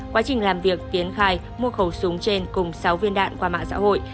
quá trình làm việc tiến khai mua khẩu súng trên cùng sáu viên đạn qua mạng xã hội